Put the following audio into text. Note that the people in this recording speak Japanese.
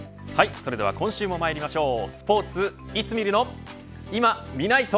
それでは今週もまいりましょう。